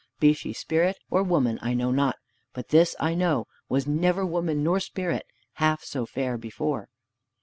Be she Spirit or woman I know not! But this I know, was never woman nor Spirit half so fair before."